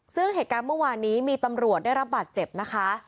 ซึ่งเหตุการณ์เมื่อวานนี้มีตำรวจได้รับบาดเจ็บนะคะ